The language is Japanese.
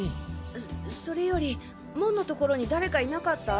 そそれより門の所に誰かいなかった？